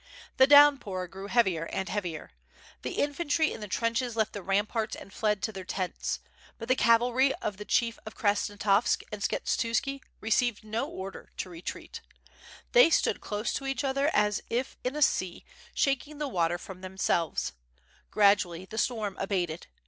The downpour grew heavier and heavier. The infantry in the trenches left the ramparts and fled to their tents. But the cavalry of the Chief of Krasnostavsk and Skshetuski re ceived no order to retreat. They stood close to each other ^28 WITH FIRE AND SWORD. as if in a sea, shaking the water from themselves. Gradually the storm abated.